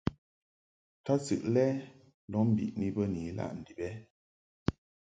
Tadsɨʼ lɛ lɔʼ mbiʼni bə ni ilaʼ ndib ɛ ?